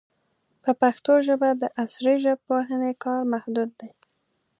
په پښتو ژبه د عصري ژبپوهنې کار محدود دی.